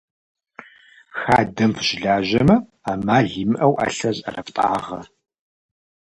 Хадэм фыщылажьэмэ, ӏэмал имыӏэу ӏэлъэ зыӏэрыфтӏагъэ.